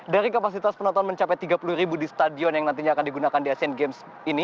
dari kapasitas penonton mencapai tiga puluh ribu di stadion yang nantinya akan digunakan di asian games ini